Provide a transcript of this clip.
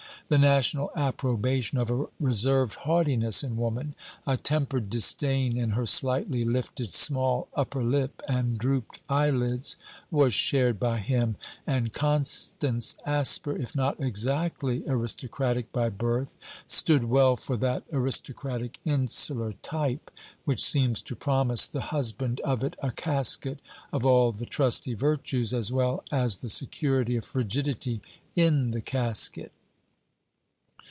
The national approbation of a reserved haughtiness in woman, a tempered disdain in her slightly lifted small upperlip and drooped eyelids, was shared by him; and Constance Asper, if not exactly aristocratic by birth, stood well for that aristocratic insular type, which seems to promise the husband of it a casket of all the trusty virtues, as well as the security of frigidity in the casket.